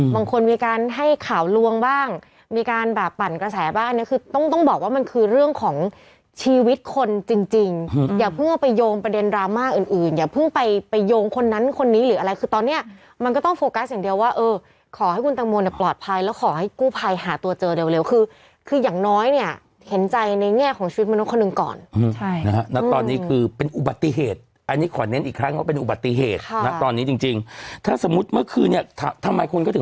บางคนมีการให้ข่าวลวงบ้างมีการแบบปั่นกระแสบ้างเนี่ยคือต้องต้องบอกว่ามันคือเรื่องของชีวิตคนจริงอย่าเพิ่งเอาไปโยงประเด็นรามาอื่นอย่าเพิ่งไปไปโยงคนนั้นคนนี้หรืออะไรคือตอนเนี่ยมันก็ต้องโฟกัสอย่างเดียวว่าเออขอให้คุณตังโมเนี่ยปลอดภัยแล้วขอให้กู้ภัยหาตัวเจอเร็วคือคืออย่างน้อยเ